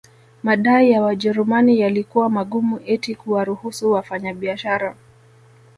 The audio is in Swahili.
Madai ya Wajerumani yalikuwa magumu eti kuwaruhusu wafanyabiashara